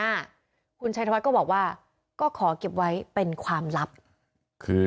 ทางคุณชัยธวัดก็บอกว่าการยื่นเรื่องแก้ไขมาตรวจสองเจน